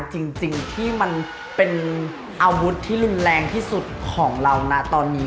จริงที่มันเป็นอาวุธที่รุนแรงที่สุดของเรานะตอนนี้